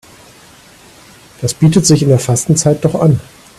Das bietet sich in der Fastenzeit doch an.